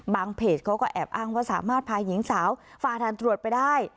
เพจเขาก็แอบอ้างว่าสามารถพาหญิงสาวฝ่าด่านตรวจไปได้